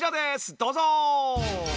どうぞ！